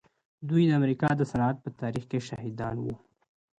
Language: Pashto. دوی د امريکا د صنعت په تاريخ کې شاهدان وو.